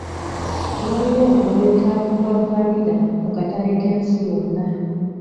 Waliwo obwetaavu bwa vanilla ku katale k'ensi yonna.